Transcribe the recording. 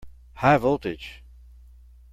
High voltage!